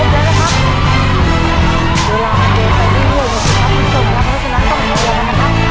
ได้ใส่ลงไปถูกต้องครับ